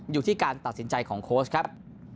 อยู่ที่การตัดสินใจของโค้ชครับ